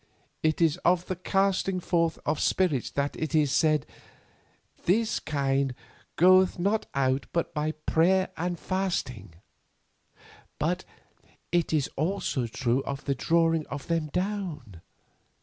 It is of the casting forth of spirits that it is said, 'This kind goeth not out but by prayer and fasting,' but it is also true of the drawing of them down.